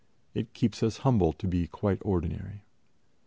. It keeps us humble to be quite ordinary